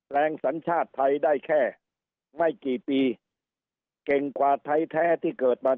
ลงสัญชาติไทยได้แค่ไม่กี่ปีเก่งกว่าไทยแท้ที่เกิดมา